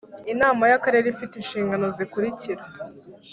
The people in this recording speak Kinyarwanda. Inama y akarere ifite inshingano zikurikira